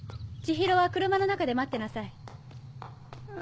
千尋は車の中で待ってなさい。